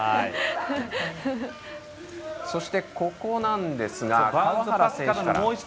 そしてここなんですが川原選手から。